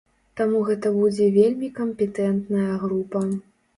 Таму гэта будзе вельмі кампетэнтная група.